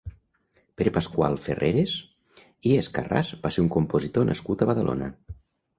Pere Pasqual Ferreras i Escarràs va ser un compositor nascut a Badalona.